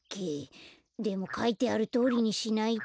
でもかいてあるとおりにしないと。